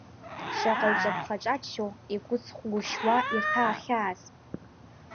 Шаҟаҩ ҿаԥха-ҿаччо игәыцхә-гәышьуа ирҭаахьааз…